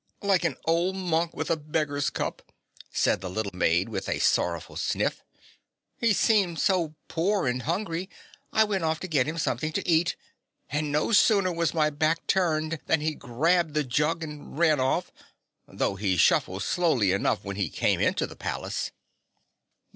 "Like an old monk with a beggar's cup," said the little maid with a sorrowful sniff. "He seemed so poor and hungry I went off to get him something to eat and no sooner was my back turned than he grabbed the jug and ran off though he shuffled slowly enough when he came into the palace."